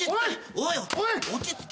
おい！